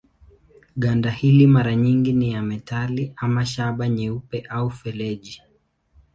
Ganda hili mara nyingi ni ya metali ama shaba nyeupe au feleji.